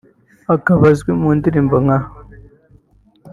akaba azwi mu ndirimbo nka